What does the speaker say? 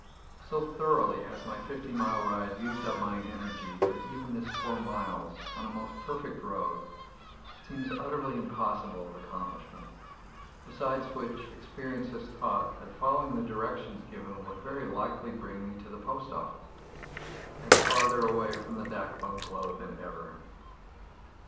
So thoroughly has my fifty mile ride used up my energy that even this four miles, on a most perfect road, seems utterly impossible of accomplishment; besides which, experience has taught that following the directions given would very likely bring me to the post office and farther away from the dak bungalow than ever.